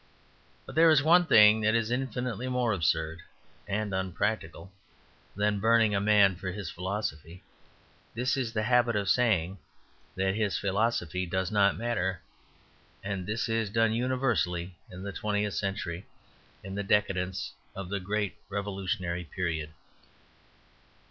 But there is one thing that is infinitely more absurd and unpractical than burning a man for his philosophy. This is the habit of saying that his philosophy does not matter, and this is done universally in the twentieth century, in the decadence of the great revolutionary period.